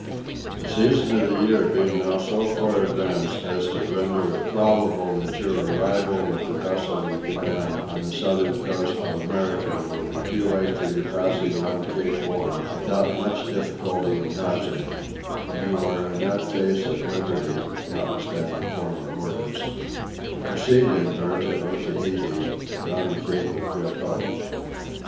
The season of the year being now so far advanced as to render it probable that your arrival with the vessel you command on the southern coast of America will be too late for your passing round Cape Horn without much difficulty and hazard, you are in that case at liberty (notwithstanding former orders) to proceed in her to Otaheite, round the Cape of Good Hope.